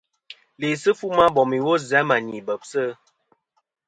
Læsɨ fu ma bom iwo zɨ a mà ni bebsɨ.